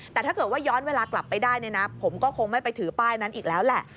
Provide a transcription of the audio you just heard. แต่ถ้าเกิดว่าย้อนเวลากลับไปได้เนี่ยนะผมก็คงไม่ไปถือป้ายนั้นอีกแล้วแหละ